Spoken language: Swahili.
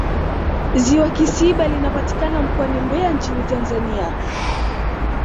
ziwa kisiba linapatikana mkoani mbeya nchini tanzania